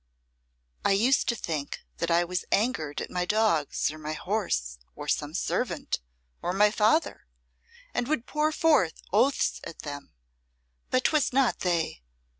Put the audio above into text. I used to think that I was angered at my dogs, or my horse, or some servant, or my father, and would pour forth oaths at them but 'twas not they.